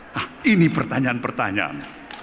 nah ini pertanyaan pertanyaan